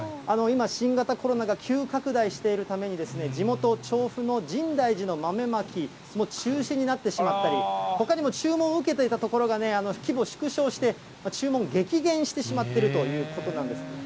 今、新型コロナが急拡大しているために、地元、調布の深大寺の豆まきも中止になってしまったり、ほかにも注文を受けていたところが規模を縮小して、注文、激減してしまっているということなんです。